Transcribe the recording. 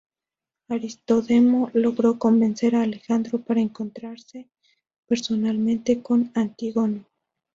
Aristodemo logró convencer a Alejandro para encontrarse personalmente con Antígono.